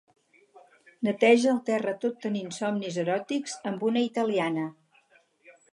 Neteja el terra tot tenint somnis eròtics amb una italiana.